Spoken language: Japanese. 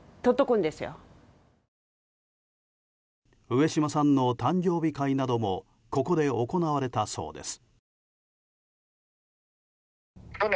上島さんの誕生日会などもここで行われたそうです。